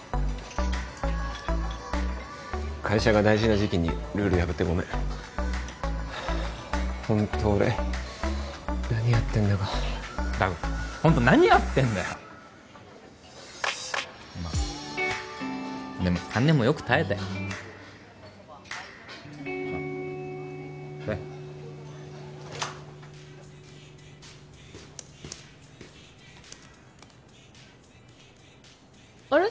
会社が大事な時期にルール破ってごめんホント俺何やってんだかホント何やってんだよまあでも３年もよく耐えたよあれ？